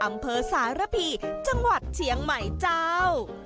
อำเภอสารพีจังหวัดเชียงใหม่เจ้า